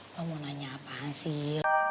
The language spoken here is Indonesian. lo mau nanya apaan sih